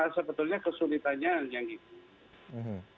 sebetulnya kesulitanya yang ini